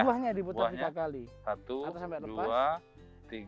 buahnya diputer tiga kali